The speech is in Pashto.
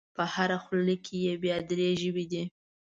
په هره خوله کې یې بیا درې ژبې دي.